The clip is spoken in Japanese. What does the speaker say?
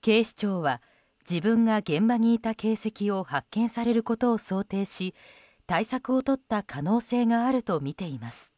警視庁は自分が現場にいた形跡を発見されることを想定し対策をとった可能性があるとみています。